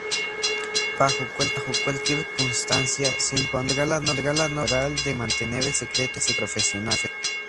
Bajo cualquier circunstancia se impondrá la norma moral de mantener el secreto profesional.